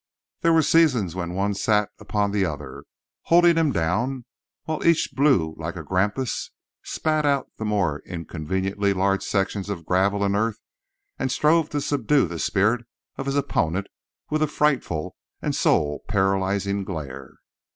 There were seasons when one sat upon the other, holding him down, while each blew like a grampus, spat out the more inconveniently large sections of gravel and earth, and strove to subdue the spirit of his opponent with a frightful and soul paralyzing glare.